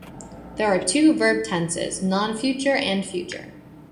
There are two verb tenses: non-future and future.